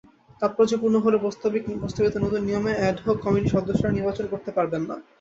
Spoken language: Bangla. তাৎপর্যপূর্ণ হলো, প্রস্তাবিত নতুন নিয়মে অ্যাডহক কমিটির সদস্যরা নির্বাচন করতে পারবেন না।